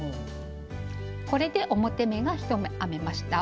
これで表目が１目編めました。